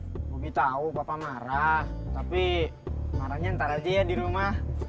tapi tahu papa marah tapi marahnya ntar aja ya di rumah